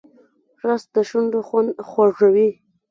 رس د شونډو خوند خوږوي